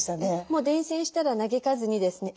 もう伝線したら嘆かずにですね